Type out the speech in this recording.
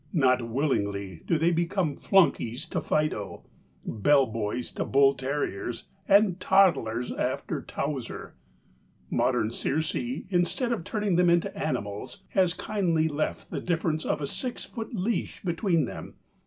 Not willingly do they become flunkeys to Fido, bell boys to bull terriers, and toddlers after Towzer. Modern Circe, instead of turning them into animals, has kindly left the difference of a six foot leash between them.